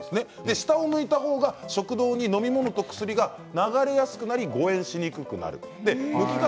下を向いた方が食道に飲み物と薬が流れやすくなり誤えんしにくくなる。